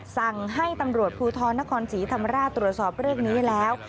สั่งให้ตำรวจภูทรนครศรีธรรมราชตรวจสอบเรื่องนี้แล้ว